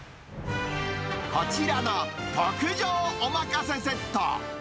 こちらの特上おまかせセット。